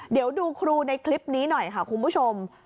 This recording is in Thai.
เดี๋ยวดูครูในคลิปนี้หน่อยค่ะคุณผู้ชม